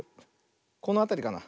このあたりかな。